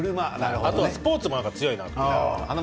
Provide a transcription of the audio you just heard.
あとはスポーツが強いなと。